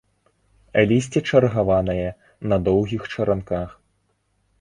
Лісце чаргаванае, на доўгіх чаранках.